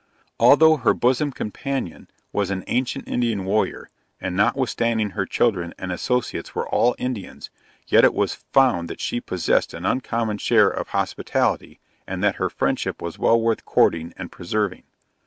Although her bosom companion was an ancient Indian warrior, and notwithstanding her children and associates were all Indians, yet it was found that she possessed an uncommon share of hospitality, and that her friendship was well worth courting and preserving.